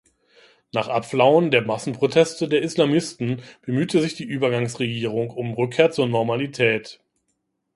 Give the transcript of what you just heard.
Nach Abflauen der Massenproteste der Islamisten bemühte sich die Übergangsregierung um Rückkehr zur Normalität.